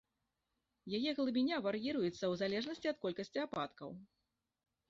Яе глыбіня вар'іруецца ў залежнасці ад колькасці ападкаў.